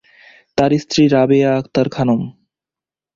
তার স্ত্রী রাবেয়া আক্তার খানম।